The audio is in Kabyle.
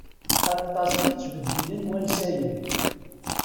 Aṭas i ttbeddilen wansayen.